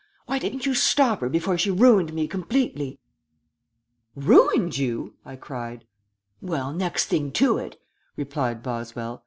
Why didn't you stop her before she ruined me completely?" "Ruined you?" I cried. "Well, next thing to it," replied Boswell.